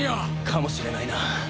かもしれないな。